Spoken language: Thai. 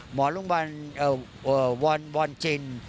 หมอโรงพยานตร์วันจิน